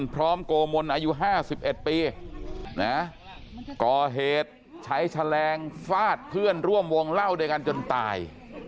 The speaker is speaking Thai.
โกมนอายุ๕๑ปีก่อเหตุใช้แฉลงฟาดเพื่อนร่วมวงเล่าด้วยกันจนตาย